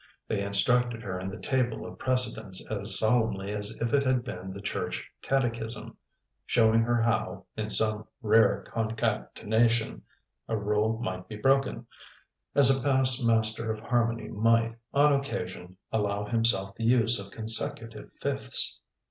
They instructed her in the table of precedence as solemnly as if it had been the Church Catechism, showed her how, in some rare concatenation, a rule might be broken, as a past master of harmony might, on occasion, allow himself the use of consecutive fifths.